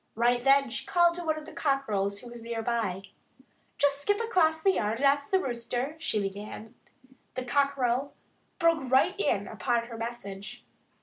Right then she called to one of the cockerels, who was near by. "Just skip across the yard and ask the Rooster " she began. The cockerel broke right in upon her message.